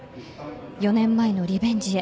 ４年前のリベンジへ。